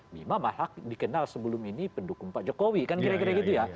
bima malah dikenal sebelum ini pendukung pak jokowi kan kira kira gitu ya